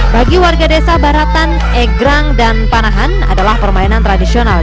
bagi warga desa baratan egrang dan panahan adalah permainan tradisional